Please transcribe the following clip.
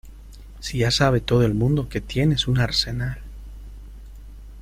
si ya sabe todo el mundo que tienes un arsenal.